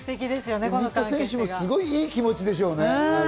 新田選手もすごくいい気持ちでしょうね。